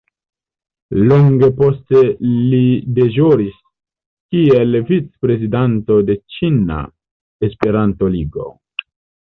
Longe poste li deĵoris kiel vicprezidanto de Ĉina Esperanto-Ligo.